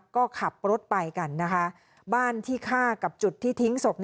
ก็ขับรถไปกันนะคะบ้านที่ฆ่ากับจุดที่ทิ้งศพ